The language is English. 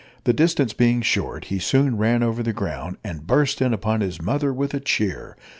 The distance being short, he soon ran over the ground, and burst in upon his mother with a cheer.